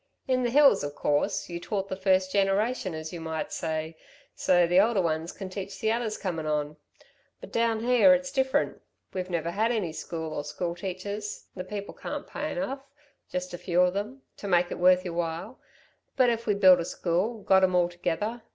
In the hills, of course, you taught the first generation, as you might say, so the older ones can teach the others coming on, but down there it's different. We've never had any school or school teachers. The people can't pay enough just a few of them to make it worth your while ... but if we built a school, got 'em all together